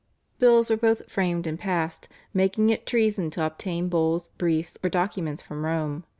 Bills were both framed and passed making it treason to obtain Bulls, briefs, or documents from Rome.